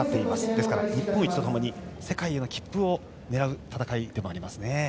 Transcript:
ですから、日本一とともに世界への切符を狙う大会でもありますね。